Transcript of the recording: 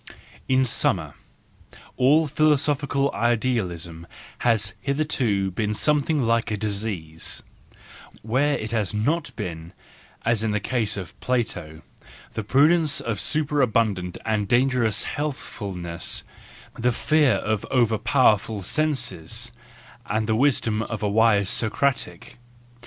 In summa : all philo¬ sophical idealism has hitherto been something like a disease, where it has not been, as in the case of Plato, the prudence of superabundant and danger¬ ous healthfulness, the fear of overpowerful senses, 338 THE JOYFUL WISDOM, V and the wisdom of a wise Socratic.